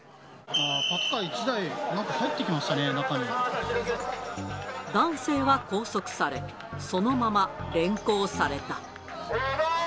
パトカー１台、入ってきまし男性は拘束され、そのまま連行された。